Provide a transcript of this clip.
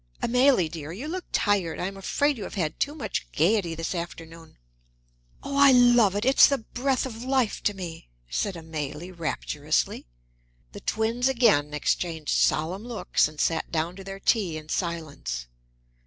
Amélie, dear, you look tired; I am afraid you have had too much gaiety this afternoon." "Oh, I love it! It's the breath of life to me," said Amélie rapturously. The twins again exchanged solemn looks and sat down to their tea in silence.